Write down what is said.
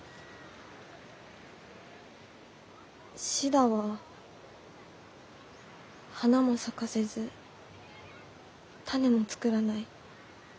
「シダは花も咲かせず種も作らない」。